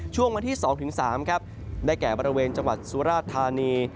ช่วงวันที่๒๓ครับได้แก่บริเวณจังหวัดสุราธานี